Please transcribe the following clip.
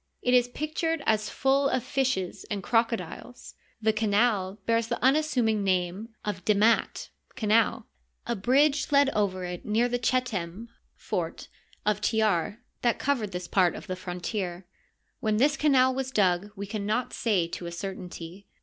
It is pictured as full of fishes and crocodiles. The canal bears the unassuming name of demat " canal." A bridge led over it near the Chetem (fort) of Tjar that covered this part of the frontier. When this canal was dug we can not say to a certainty.